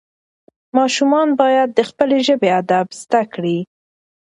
ماشومان باید د خپلې ژبې ادب زده کړي.